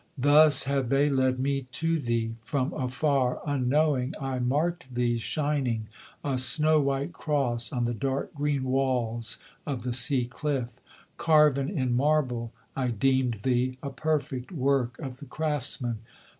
Thus have they led me to thee: from afar, unknowing, I marked thee, Shining, a snow white cross on the dark green walls of the sea cliff; Carven in marble I deemed thee, a perfect work of the craftsman.